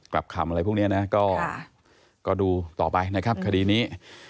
กลับคำอะไรพวกนี้นะก็ดูต่อไปนะครับคดีนี้